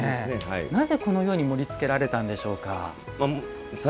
なぜこのように盛りつけられたんでしょうか？